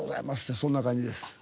そんな感じです。